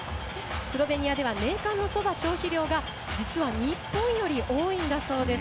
スロベニアでは年間のそば消費量が実は日本より多いんだそうです。